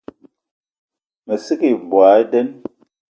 Mə sə kig mvɔi nden.